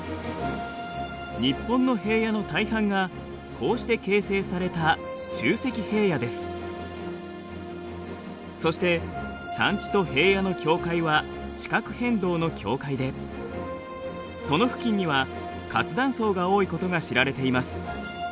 日本の平野の大半がこうして形成されたそして山地と平野の境界は地殻変動の境界でその付近には活断層が多いことが知られています。